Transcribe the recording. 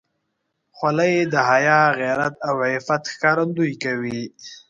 خولۍ د حیا، غیرت او عفت ښکارندویي کوي.